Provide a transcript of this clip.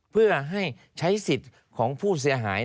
เพื่อให้ใช้สิทธิ์ของผู้เสียหาย